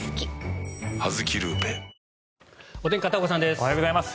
おはようございます。